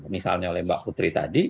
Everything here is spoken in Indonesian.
misalnya oleh mbak putri tadi